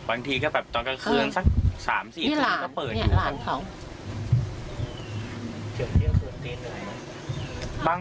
บางทีก็แบบตอนกลางคืนสัก๓๔นาทีก็เปิดอยู่ครับ